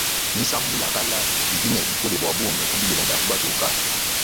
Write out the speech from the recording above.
Misambu ya kala idi ne bukola bua bungi pa bilela bia ku batoka.